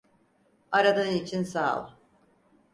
Aradığın için sağ ol.